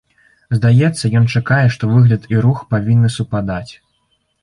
Здаецца, ён чакае, што выгляд і рух павінны супадаць.